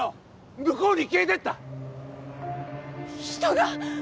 向こうに消えてった人が！？